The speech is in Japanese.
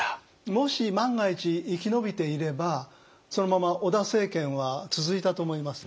もし万が一生き延びていればそのまま織田政権は続いたと思います。